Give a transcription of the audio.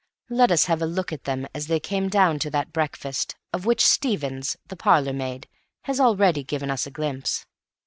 Let us have a look at them as they came down to that breakfast, of which Stevens, the parlour maid, has already given us a glimpse.